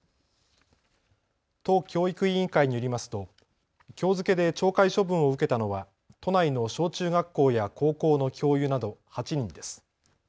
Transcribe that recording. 都教育委員会によりますときょう付けで懲戒処分を受けたのは都内の小中学校や高校の教諭など８人です。